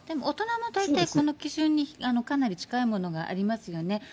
大人も大体この基準にかなり近いものがありますよね。